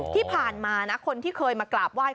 ที่ผ่านมานะคนที่เคยมากราบไหว้